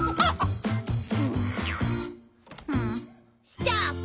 ストップ！